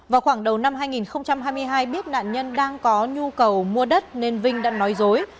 vào khoảng đầu năm hai nghìn hai mươi hai biết nạn nhân đang có nhu cầu mua đất nên vinh đã nói dối